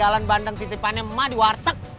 jalan bandung titipanemah di warteg